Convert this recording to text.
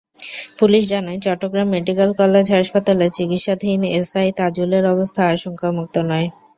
Police জানায়, Chittagong medical college হাসপাতালে চিকিৎসাধীন এসআই তাজুলের অবস্থা আশঙ্কামুক্ত নয়।